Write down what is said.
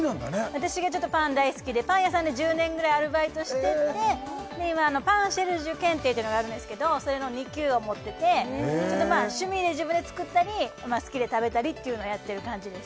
私がパン大好きでパン屋さんで１０年ぐらいアルバイトしてて今パンシェルジュ検定っていうのがあるんですけどそれの２級を持ってて趣味で自分で作ったり好きで食べたりっていうのをやってる感じです